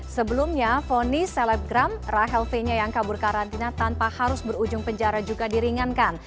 sebelumnya fonis selebgram rahel fenya yang kabur karantina tanpa harus berujung penjara juga diringankan